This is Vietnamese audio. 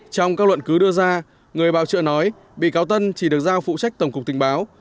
trong các luận cứ đưa ra người bào chữa nói bị cáo tân chỉ được giao phụ trách tổng cục tình báo